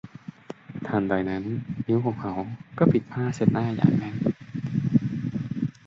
ทันใดนั้นนิ้วของเขาก็ปิดผ้าเช็ดหน้าอย่างแน่น